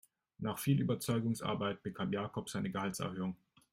Nach viel Überzeugungsarbeit bekam Jakob seine Gehaltserhöhung.